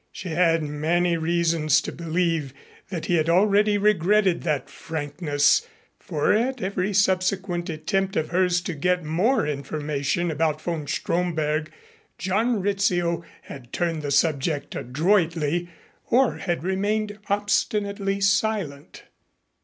She had many reasons to believe that he had already regretted that frankness for at every subsequent attempt of hers to get more information about von Stromberg, John Rizzio had turned the subject adroitly or had remained obstinately silent.